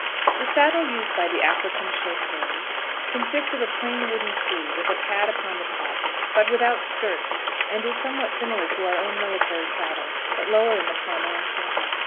The saddle used by the African chasseurs consists of a plain wooden tree, with a pad upon the top, but without skirts, and is somewhat similar to our own military saddle, but lower in the pommel and cantle.